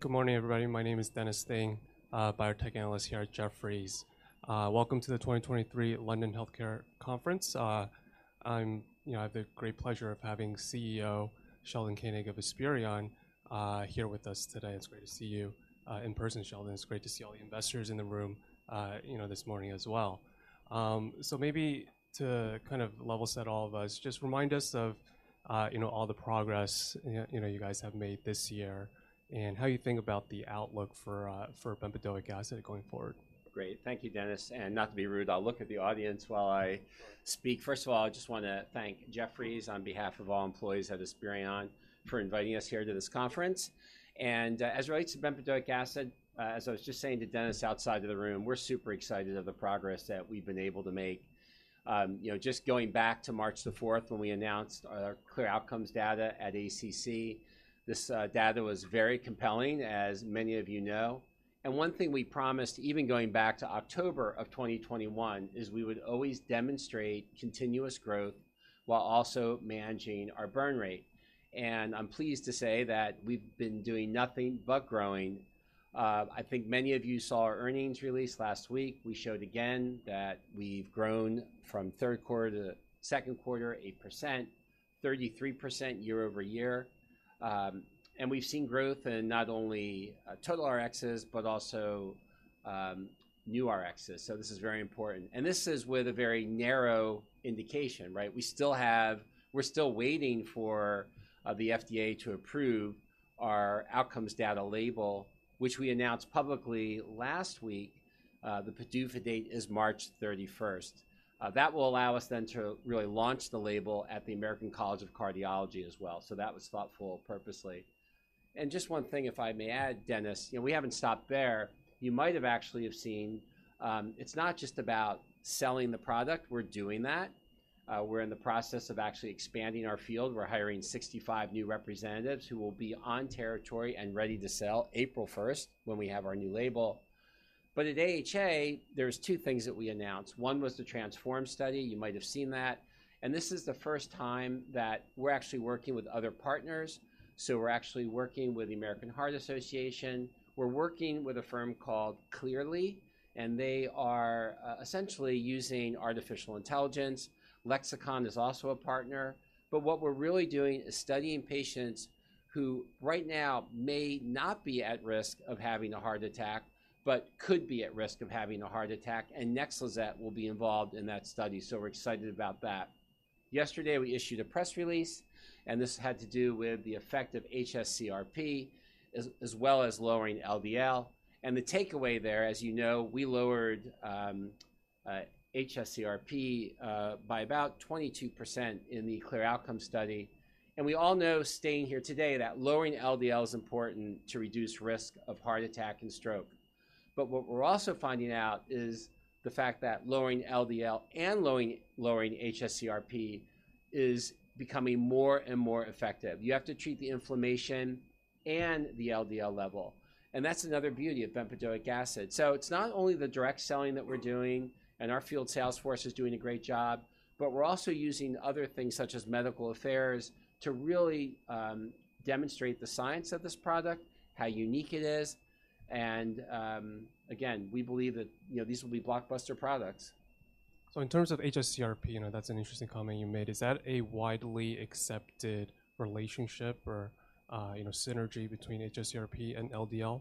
Good morning, Everybody. My name is Dennis Ding, biotech analyst here at Jefferies. Welcome to the 2023 London Healthcare Conference. You know, I have the great pleasure of having CEO Sheldon Koenig of Esperion here with us today. It's great to see you in person, Sheldon. It's great to see all the investors in the room, you know, this morning as well. So maybe to kind of level set all of us, just remind us of, you know, all the progress, you know, you guys have made this year, and how you think about the outlook for bempedoic acid going forward. Great. Thank you, Dennis, and not to be rude, I'll look at the audience while I speak. First of all, I just wanna thank Jefferies on behalf of all employees at Esperion, for inviting us here to this conference. As it relates to bempedoic acid, as I was just saying to Dennis outside of the room, we're super excited of the progress that we've been able to make. You know, just going back to March the fourth, when we announced our CLEAR Outcomes data at ACC, this data was very compelling, as many of you know. One thing we promised, even going back to October of 2021, is we would always demonstrate continuous growth while also managing our burn rate. I'm pleased to say that we've been doing nothing but growing. I think many of you saw our earnings release last week. We showed again that we've grown from third quarter to second quarter, 8%, 33% year-over-year. And we've seen growth in not only total RXs, but also new RXs. So this is very important. And this is with a very narrow indication, right? We still have... We're still waiting for the FDA to approve our outcomes data label, which we announced publicly last week. The PDUFA date is March 31. That will allow us then to really launch the label at the American College of Cardiology as well. So that was thoughtful purposely. And just one thing, if I may add, Dennis, you know, we haven't stopped there. You might have actually have seen, it's not just about selling the product. We're doing that. We're in the process of actually expanding our field. We're hiring 65 new representatives who will be on territory and ready to sell April first, when we have our new label. But at AHA, there's two things that we announced. One was the TRANSFORM study. You might have seen that, and this is the first time that we're actually working with other partners. So we're actually working with the American Heart Association. We're working with a firm called Cleerly, and they are essentially using artificial intelligence. Lexicon is also a partner, but what we're really doing is studying patients who right now may not be at risk of having a heart attack, but could be at risk of having a heart attack, and NEXLIZET will be involved in that study. So we're excited about that. Yesterday, we issued a press release, and this had to do with the effect of hs-CRP, as well as lowering LDL. The takeaway there, as you know, we lowered hs-CRP by about 22% in the CLEAR Outcomes study. We all know, staying here today, that lowering LDL is important to reduce risk of heart attack and stroke. What we're also finding out is the fact that lowering LDL and lowering hs-CRP is becoming more and more effective. You have to treat the inflammation and the LDL level, and that's another beauty of bempedoic acid. So it's not only the direct selling that we're doing, and our field sales force is doing a great job, but we're also using other things, such as medical affairs, to really demonstrate the science of this product, how unique it is, and again, we believe that, you know, these will be blockbuster products. So in terms of hs-CRP, you know, that's an interesting comment you made. Is that a widely accepted relationship or, you know, synergy between hs-CRP and LDL,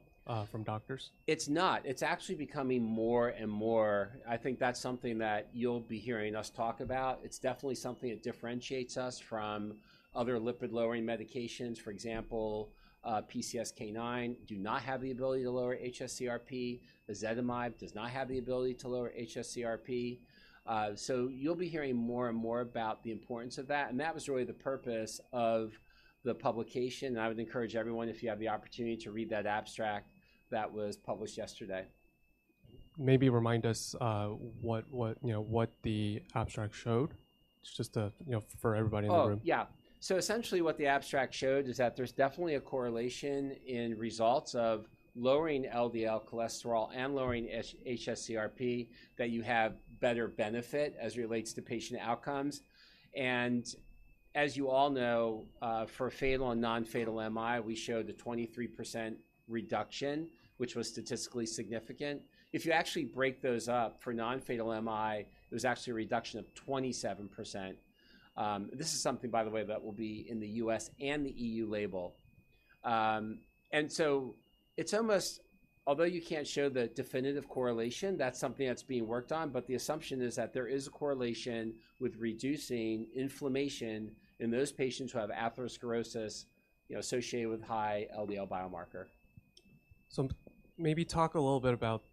from doctors? It's not. It's actually becoming more and more... I think that's something that you'll be hearing us talk about. It's definitely something that differentiates us from other lipid-lowering medications. For example, PCSK9 do not have the ability to lower hs-CRP. Ezetimibe does not have the ability to lower hs-CRP. So you'll be hearing more and more about the importance of that, and that was really the purpose of the publication, and I would encourage everyone, if you have the opportunity, to read that abstract that was published yesterday. Maybe remind us, you know, what the abstract showed. Just, you know, for everybody in the room. Oh, yeah. So essentially, what the abstract showed is that there's definitely a correlation in results of lowering LDL cholesterol and lowering hs-CRP, that you have better benefit as it relates to patient outcomes. And as you all know, for fatal and non-fatal MI, we showed a 23% reduction, which was statistically significant. If you actually break those up, for non-fatal MI, there was actually a reduction of 27%. This is something, by the way, that will be in the U.S. and the E.U. label. And so it's almost, although you can't show the definitive correlation, that's something that's being worked on, but the assumption is that there is a correlation with reducing inflammation in those patients who have atherosclerosis, you know, associated with high LDL biomarker. So maybe talk a little bit about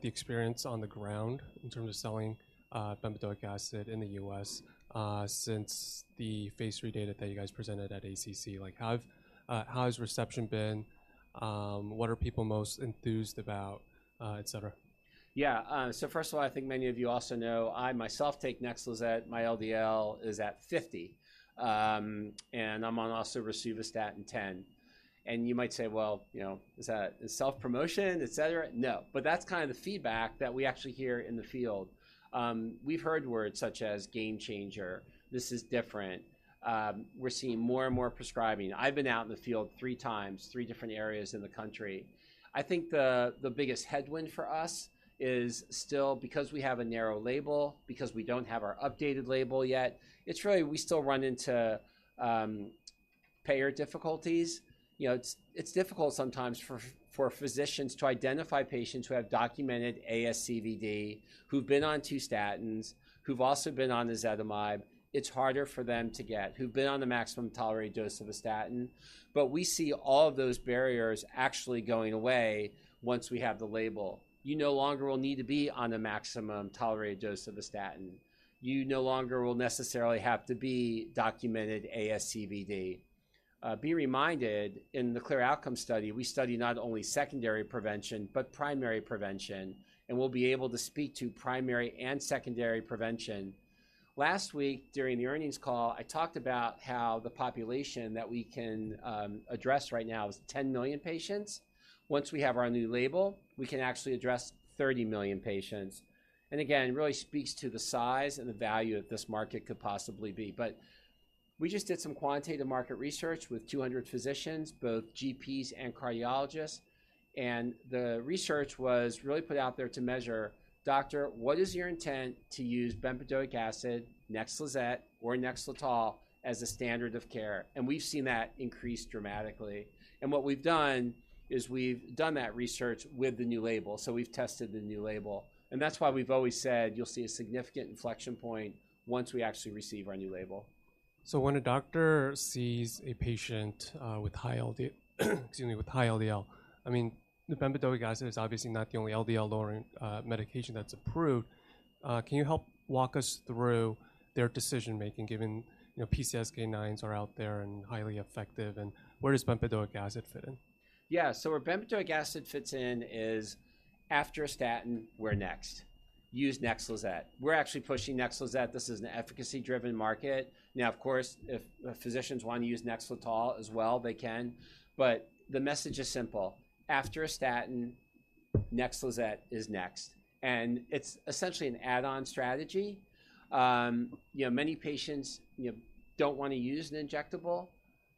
the experience on the ground in terms of selling bempedoic acid in the U.S. since the phase III data that you guys presented at ACC. Like, how has reception been, what are people most enthused about, et cetera? Yeah, so first of all, I think many of you also know, I myself take NEXLIZET. My LDL is at 50, and I'm on also rosuvastatin 10. And you might say: Well, you know, is that self-promotion, et cetera? No, but that's kind of the feedback that we actually hear in the field. We've heard words such as game changer, this is different. We're seeing more and more prescribing. I've been out in the field 3 times, 3 different areas in the country. I think the biggest headwind for us is still because we have a narrow label, because we don't have our updated label yet, it's really, we still run into payer difficulties, you know, it's difficult sometimes for physicians to identify patients who have documented ASCVD, who've been on 2 statins, who've also been on ezetimibe. It's harder for them to get, who've been on the maximum tolerated dose of a statin. But we see all of those barriers actually going away once we have the label. You no longer will need to be on the maximum tolerated dose of a statin. You no longer will necessarily have to be documented ASCVD. Be reminded, in the CLEAR Outcomes study, we studied not only secondary prevention, but primary prevention, and we'll be able to speak to primary and secondary prevention. Last week, during the earnings call, I talked about how the population that we can, address right now is 10 million patients. Once we have our new label, we can actually address 30 million patients, and again, it really speaks to the size and the value that this market could possibly be. But we just did some quantitative market research with 200 physicians, both GPs and cardiologists, and the research was really put out there to measure: Doctor, what is your intent to use bempedoic acid, NEXLIZET or NEXLETOL, as a standard of care? And we've seen that increase dramatically. And what we've done is we've done that research with the new label, so we've tested the new label, and that's why we've always said you'll see a significant inflection point once we actually receive our new label. So when a doctor sees a patient with high LDL, excuse me, with high LDL, I mean, the bempedoic acid is obviously not the only LDL-lowering medication that's approved. Can you help walk us through their decision-making, given, you know, PCSK9s are out there and highly effective, and where does bempedoic acid fit in? Yeah, so where bempedoic acid fits in is after a statin, we're next. Use NEXLIZET. We're actually pushing NEXLIZET. This is an efficacy-driven market. Now, of course, if physicians want to use NEXLETOL as well, they can, but the message is simple: After a statin, NEXLIZET is next, and it's essentially an add-on strategy. You know, many patients, you know, don't want to use an injectable.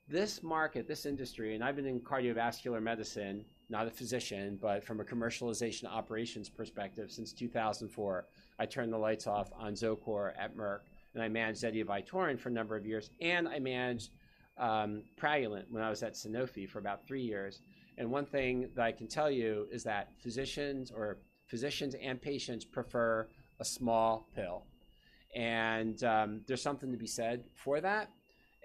This market, this industry, and I've been in cardiovascular medicine, not a physician, but from a commercialization operations perspective, since 2004, I turned the lights off on Zocor at Merck, then I managed Zetia Vytorin for a number of years, and I managed Praluent when I was at Sanofi for about three years. One thing that I can tell you is that physicians or physicians and patients prefer a small pill, and there's something to be said for that,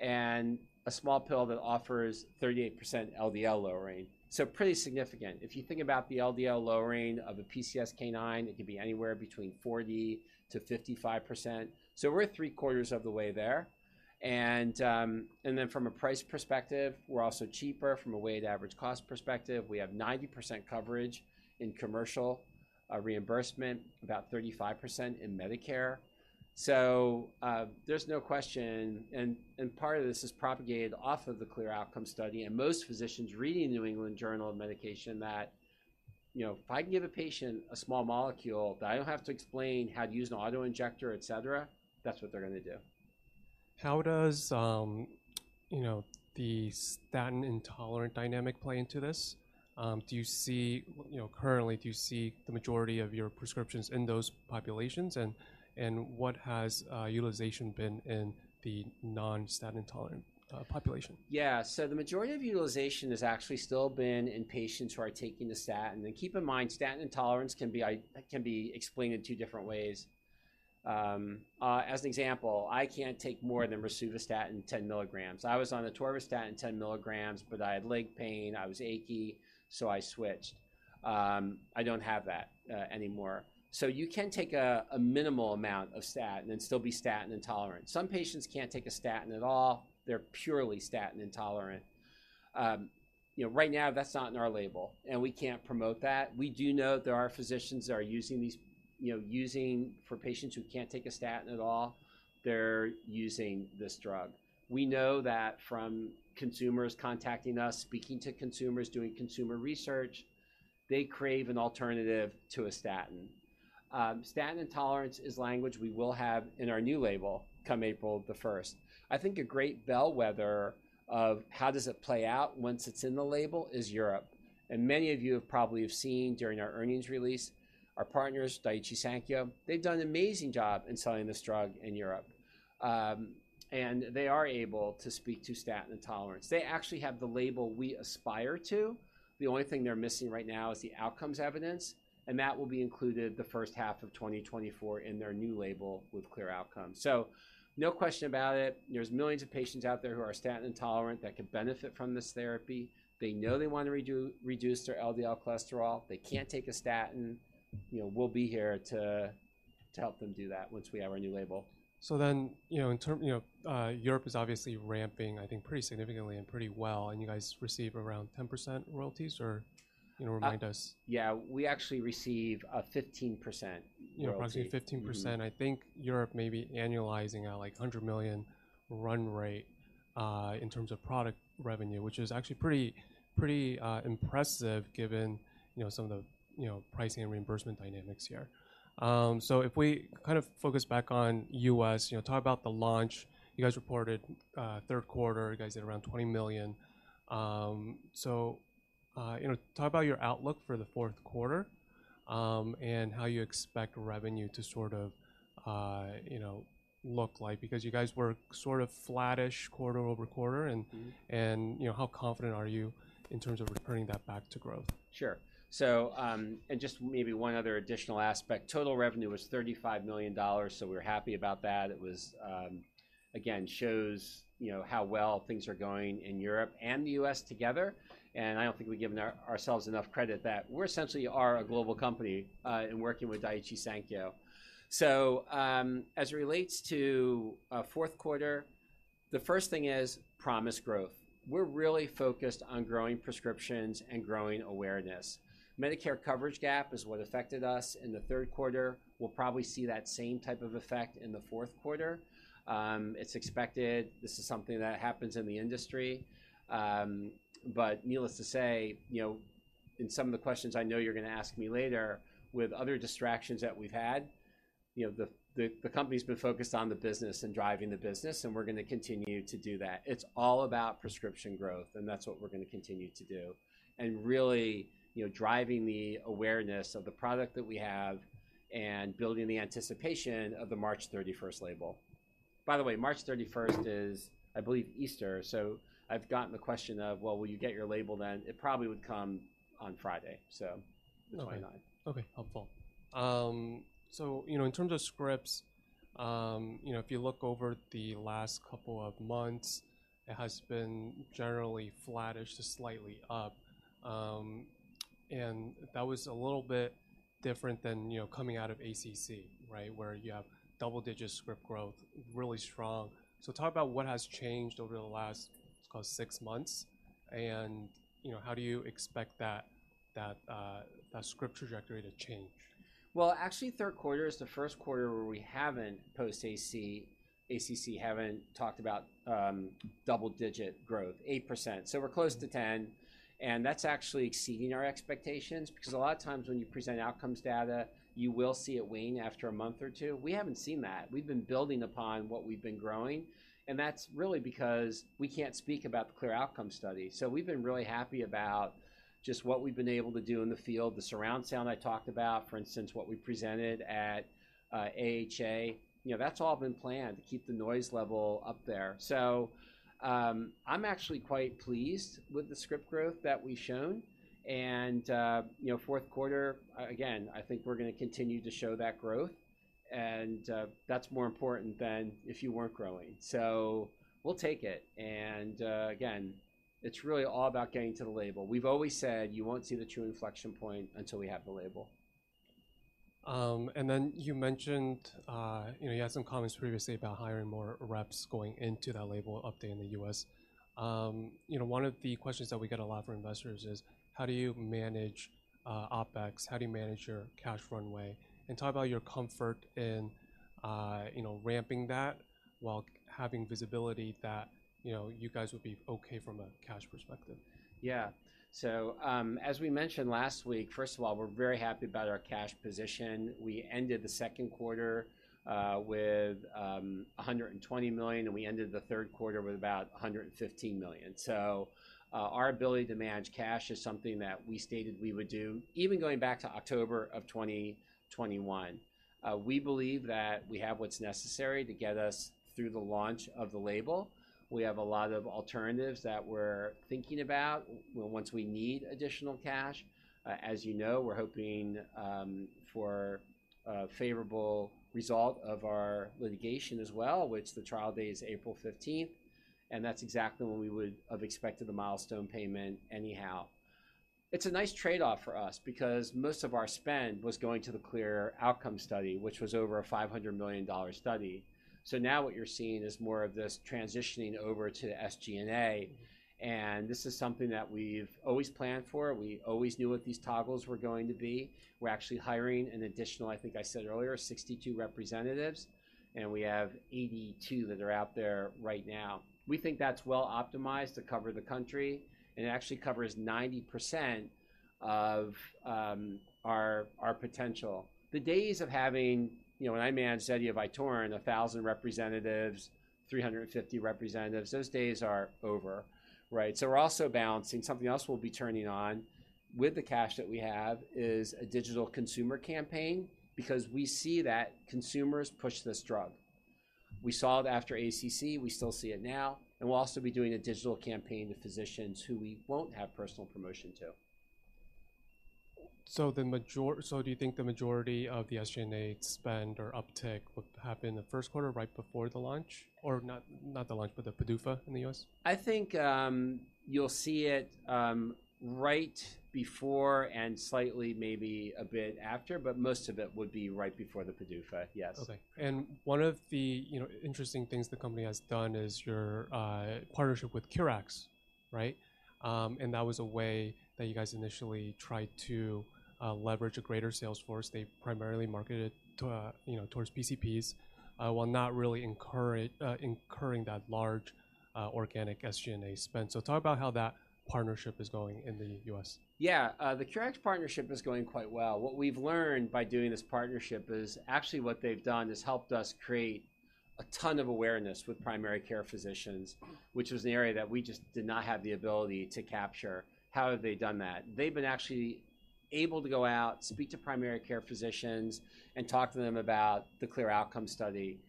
and a small pill that offers 38% LDL lowering. So pretty significant. If you think about the LDL lowering of a PCSK9, it can be anywhere between 40%-55%. So we're three-quarters of the way there. And then from a price perspective, we're also cheaper from a weighted average cost perspective. We have 90% coverage in commercial reimbursement, about 35% in Medicare. There's no question, and part of this is propagated off of the CLEAR Outcomes study, and most physicians reading the New England Journal of Medicine that, you know, if I can give a patient a small molecule that I don't have to explain how to use an auto-injector, et cetera, that's what they're gonna do. How does, you know, the statin-intolerant dynamic play into this? Do you see... You know, currently, do you see the majority of your prescriptions in those populations, and what has utilization been in the non-statin intolerant population? Yeah. So the majority of utilization has actually still been in patients who are taking the statin. And keep in mind, statin intolerance can be explained in two different ways. As an example, I can't take more than rosuvastatin 10 milligrams. I was on atorvastatin 10 milligrams, but I had leg pain, I was achy, so I switched. I don't have that anymore. So you can take a minimal amount of statin and still be statin intolerant. Some patients can't take a statin at all, they're purely statin intolerant. You know, right now, that's not in our label, and we can't promote that. We do know there are physicians that are using these, you know, using for patients who can't take a statin at all, they're using this drug. We know that from consumers contacting us, speaking to consumers, doing consumer research, they crave an alternative to a statin. Statin intolerance is language we will have in our new label come April 1st. I think a great bellwether of how does it play out once it's in the label is Europe, and many of you have probably seen during our earnings release, our partners, Daiichi Sankyo, they've done an amazing job in selling this drug in Europe. And they are able to speak to statin intolerance. They actually have the label we aspire to. The only thing they're missing right now is the outcomes evidence, and that will be included the first half of 2024 in their new label with CLEAR Outcomes. So no question about it, there's millions of patients out there who are statin intolerant that could benefit from this therapy. They know they want to reduce their LDL cholesterol. They can't take a statin. You know, we'll be here to help them do that once we have our new label. So then, you know, Europe is obviously ramping, I think, pretty significantly and pretty well, and you guys receive around 10% royalties, or, you know, remind us? Yeah, we actually receive 15% royalty. Yeah, approximately 15%. I think Europe may be annualizing at, like, a $100 million run rate in terms of product revenue, which is actually pretty, pretty impressive, given, you know, some of the, you know, pricing and reimbursement dynamics here. So if we kind of focus back on U.S., you know, talk about the launch. You guys reported third quarter, you guys did around $20 million. You know, talk about your outlook for the fourth quarter and how you expect revenue to sort of, you know, look like. Because you guys were sort of flattish quarter-over-quarter. And, you know, how confident are you in terms of returning that back to growth? Sure. So, and just maybe one other additional aspect, total revenue was $35 million, so we're happy about that. It was... Again, shows, you know, how well things are going in Europe and the U.S. together, and I don't think we've given ourselves enough credit that we're essentially a global company in working with Daiichi Sankyo. So, as it relates to fourth quarter, the first thing is promise growth. We're really focused on growing prescriptions and growing awareness. Medicare coverage gap is what affected us in the third quarter. We'll probably see that same type of effect in the fourth quarter. It's expected. This is something that happens in the industry. But needless to say, you know, in some of the questions I know you're gonna ask me later, with other distractions that we've had, you know, the company's been focused on the business and driving the business, and we're gonna continue to do that. It's all about prescription growth, and that's what we're gonna continue to do, and really, you know, driving the awareness of the product that we have and building the anticipation of the March 31st label. By the way, March 31st is, I believe, Easter, so I've gotten the question of, "Well, will you get your label then?" It probably would come on Friday, so the 29th. Okay, helpful. So, you know, in terms of scripts, you know, if you look over the last couple of months, it has been generally flattish to slightly up. And that was a little bit different than, you know, coming out of ACC, right? Where you have double-digit script growth, really strong. So talk about what has changed over the last, let's call it, six months, and, you know, how do you expect that, that, that script trajectory to change? Well, actually, third quarter is the first quarter where we haven't post ACC, haven't talked about double-digit growth, 8%. So we're close to 10, and that's actually exceeding our expectations, because a lot of times when you present outcomes data, you will see it wane after a month or two. We haven't seen that. We've been building upon what we've been growing, and that's really because we can't speak about the CLEAR Outcomes study. So we've been really happy about just what we've been able to do in the field, the surround sound I talked about, for instance, what we presented at AHA. You know, that's all been planned to keep the noise level up there. So, I'm actually quite pleased with the script growth that we've shown and, you know, fourth quarter, again, I think we're gonna continue to show that growth, and, that's more important than if you weren't growing. So we'll take it, and, again, it's really all about getting to the label. We've always said you won't see the true inflection point until we have the label. And then you mentioned, you know, you had some comments previously about hiring more reps going into that label update in the U.S. You know, one of the questions that we get a lot from investors is: How do you manage OpEx? How do you manage your cash runway? And talk about your comfort in, you know, ramping that while having visibility that, you know, you guys would be okay from a cash perspective. Yeah. So, as we mentioned last week, first of all, we're very happy about our cash position. We ended the second quarter with $120 million, and we ended the third quarter with about $115 million. So, our ability to manage cash is something that we stated we would do, even going back to October 2021. We believe that we have what's necessary to get us through the launch of the label. We have a lot of alternatives that we're thinking about once we need additional cash. As you know, we're hoping for a favorable result of our litigation as well, which the trial date is April 15, and that's exactly when we would have expected the milestone payment anyhow. It's a nice trade-off for us because most of our spend was going to the CLEAR Outcomes study, which was over a $500 million study. So now what you're seeing is more of this transitioning over to the SG&A, and this is something that we've always planned for. We always knew what these toggles were going to be. We're actually hiring an additional, I think I said earlier, 62 representatives, and we have 82 that are out there right now. We think that's well optimized to cover the country, and it actually covers 90% of our potential. The days of having, you know, when I managed Zetia Vytorin, 1,000 representatives, 350 representatives, those days are over, right? So we're also balancing. Something else we'll be turning on with the cash that we have is a digital consumer campaign, because we see that consumers push this drug. We saw it after ACC, we still see it now, and we'll also be doing a digital campaign to physicians who we won't have personal promotion to. So do you think the majority of the SG&A spend or uptick would happen in the first quarter, right before the launch, or not, not the launch, but the PDUFA in the US? I think, you'll see it, right before and slightly maybe a bit after, but most of it would be right before the PDUFA. Yes. Okay. One of the, you know, interesting things the company has done is your partnership with Currax, right? And that was a way that you guys initially tried to leverage a greater sales force. They primarily marketed to, you know, towards PCPs, while not really incurring that large organic SG&A spend. So talk about how that partnership is going in the US? Yeah, the Currax partnership is going quite well. What we've learned by doing this partnership is actually what they've done is helped us create a ton of awareness with primary care physicians, which was an area that we just did not have the ability to capture. How have they done that? They've been actually able to go out, speak to primary care physicians, and talk to them about the CLEAR Outcomes study.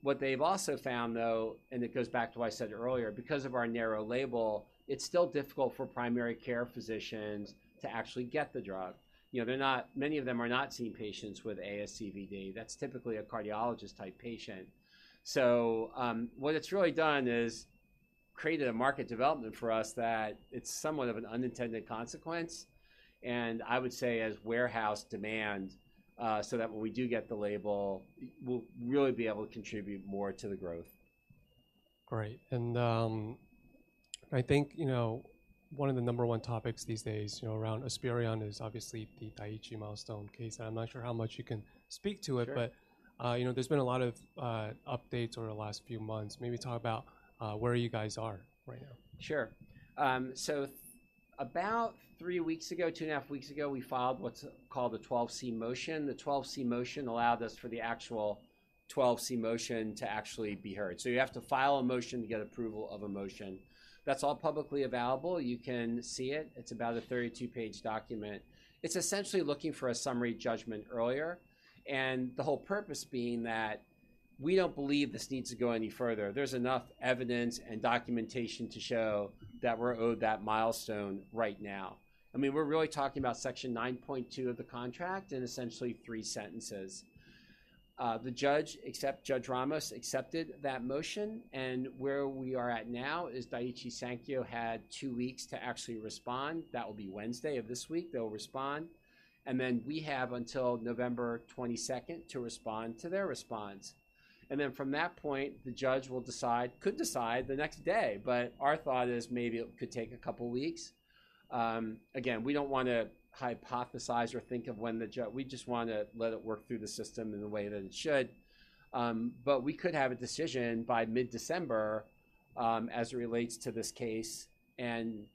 What they've also found, though, and it goes back to what I said earlier, because of our narrow label, it's still difficult for primary care physicians to actually get the drug. You know, many of them are not seeing patients with ASCVD. That's typically a cardiologist-type patient. So, what it's really done is created a market development for us that it's somewhat of an unintended consequence, and I would say has warehoused demand, so that when we do get the label, we'll really be able to contribute more to the growth. Great. I think, you know, one of the number one topics these days, you know, around Esperion is obviously the Daiichi milestone case. I'm not sure how much you can speak to it- Sure. But you know, there's been a lot of updates over the last few months. Maybe talk about where you guys are right now. Sure. So about three weeks ago, two and a half weeks ago, we filed what's called the 12(c) motion. The 12(c) motion allowed us for the actual 12(c) motion to actually be heard. So you have to file a motion to get approval of a motion. That's all publicly available. You can see it. It's about a 32-page document. It's essentially looking for a summary judgment earlier, and the whole purpose being that we don't believe this needs to go any further. There's enough evidence and documentation to show that we're owed that milestone right now. I mean, we're really talking about Section 9.2 of the contract, and essentially three sentences. The judge, Judge Ramos, accepted that motion, and where we are at now is Daiichi Sankyo had two weeks to actually respond. That will be Wednesday of this week, they'll respond, and then we have until November 22 to respond to their response. And then from that point, the judge will decide... could decide the next day, but our thought is maybe it could take a couple of weeks. Again, we don't want to hypothesize or think of when the judge. We just wanna let it work through the system in the way that it should. But we could have a decision by mid-December, as it relates to this case and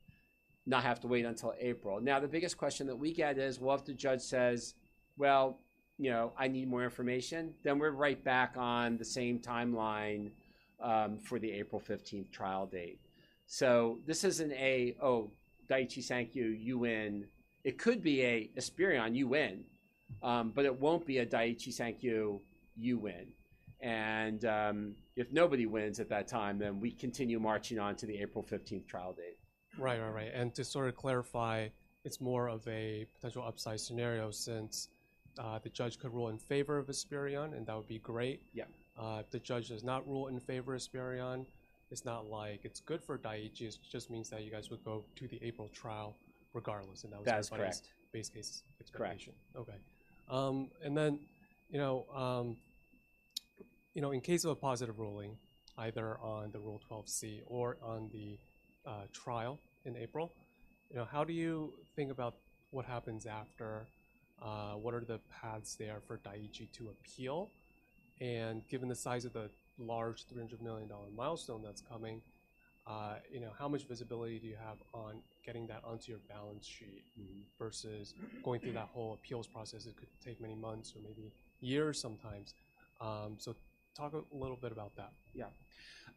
not have to wait until April. Now, the biggest question that we get is, well, if the judge says, "Well, you know, I need more information," then we're right back on the same timeline, for the April 15 trial date. So this isn't a, oh, Daiichi Sankyo, you win. It could be a Esperion, you win, but it won't be a Daiichi Sankyo, you win. And, if nobody wins at that time, then we continue marching on to the April fifteenth trial date. Right. Right, right. And to sort of clarify, it's more of a potential upside scenario since the judge could rule in favor of Esperion, and that would be great. Yeah. If the judge does not rule in favor of Esperion, it's not like it's good for Daiichi. It just means that you guys would go to the April trial regardless, and that was- That's correct. - the base case expectation. Correct. Okay. And then, you know, you know, in case of a positive ruling, either on the Rule 12(c) or on the trial in April, you know, how do you think about what happens after... what are the paths there for Daiichi to appeal? And given the size of the large $300 million milestone that's coming, you know, how much visibility do you have on getting that onto your balance sheet- versus going through that whole appeals process? It could take many months or maybe years sometimes. So talk a little bit about that. Yeah.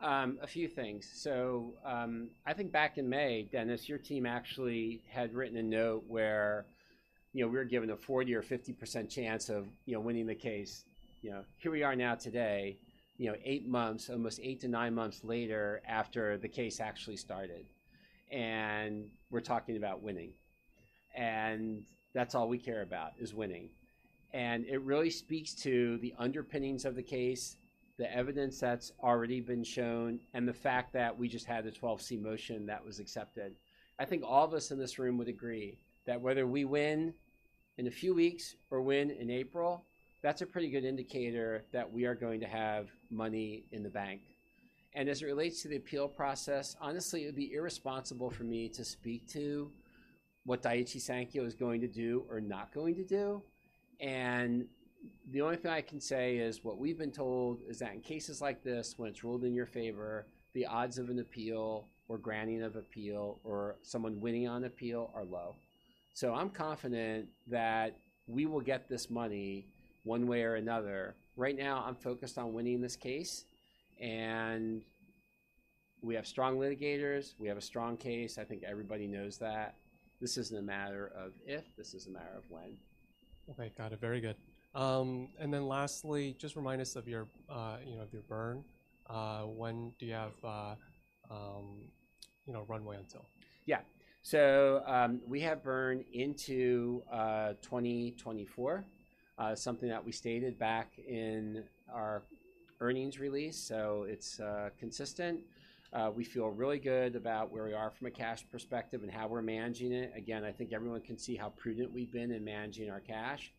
A few things. So, I think back in May, Dennis, your team actually had written a note where, you know, we were given a 40% or 50% chance of, you know, winning the case, you know. Here we are now today, you know, 8 months, almost 8 to 9 months later, after the case actually started, and we're talking about winning. And that's all we care about, is winning. And it really speaks to the underpinnings of the case, the evidence that's already been shown, and the fact that we just had a 12(c) motion that was accepted. I think all of us in this room would agree that whether we win in a few weeks or win in April, that's a pretty good indicator that we are going to have money in the bank. As it relates to the appeal process, honestly, it would be irresponsible for me to speak to what Daiichi Sankyo is going to do or not going to do. The only thing I can say is what we've been told is that in cases like this, when it's ruled in your favor, the odds of an appeal or granting of appeal or someone winning on appeal are low. I'm confident that we will get this money one way or another. Right now, I'm focused on winning this case, and we have strong litigators. We have a strong case. I think everybody knows that. This isn't a matter of if, this is a matter of when. Okay, got it. Very good. And then lastly, just remind us of your, you know, of your burn. When do you have, you know, runway until? Yeah. So, we have burn into 2024. Something that we stated back in our earnings release, so it's consistent. We feel really good about where we are from a cash perspective and how we're managing it. Again, I think everyone can see how prudent we've been in managing our cash,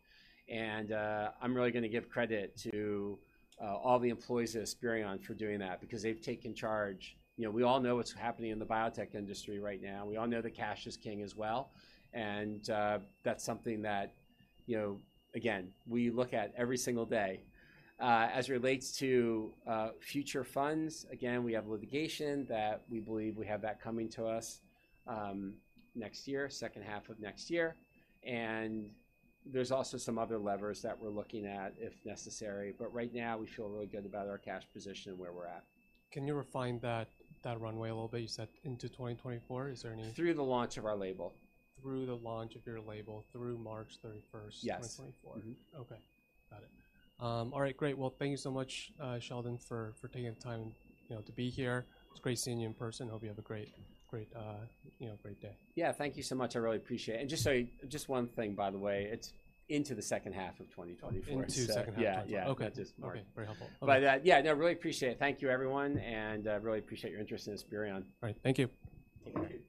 and I'm really gonna give credit to all the employees at Esperion for doing that, because they've taken charge. You know, we all know what's happening in the biotech industry right now. We all know that cash is king as well, and that's something that, you know, again, we look at every single day. As it relates to future funds, again, we have litigation that we believe we have that coming to us, next year, second half of next year, and there's also some other levers that we're looking at if necessary, but right now we feel really good about our cash position and where we're at. Can you refine that runway a little bit? You said into 2024. Is there any- Through the launch of our label. Through the launch of your label, through March 31st- Yes... 2024. Okay, got it. All right, great. Well, thank you so much, Sheldon, for taking the time, you know, to be here. It's great seeing you in person. Hope you have a great, great, you know, great day. Yeah. Thank you so much. I really appreciate it. And just so, just one thing, by the way, it's into the second half of 2024. Into second half. Yeah, yeah. Okay. Got this. All right. Very helpful. But, yeah, no, really appreciate it. Thank you, everyone, and really appreciate your interest in Esperion. All right. Thank you. Thank you. Awesome. Thank you so much.